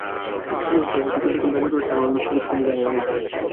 তবে ফিফা সভাপতি গতকাল দাবি করেছেন, রোনালদোর সঙ্গে কোনো ঝামেলা নেই তাঁর।